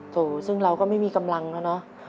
เพราะซึ่งเราก็ไม่มีกำลังแล้วนะ